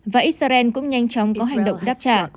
và israel cũng nhanh chóng có hành động đáp trả